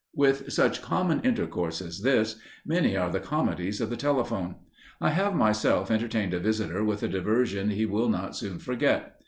With such common intercourse as this, many are the comedies of the telephone. I have myself entertained a visitor with a diversion he will not soon forget.